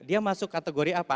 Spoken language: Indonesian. dia masuk kategori apa